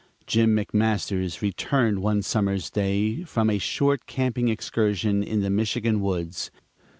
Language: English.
Jim McMasters returned one summer's day from a short camping excursion in the Michigan woods.